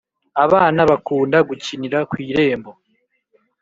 abana bakunda gukinira kw’irembo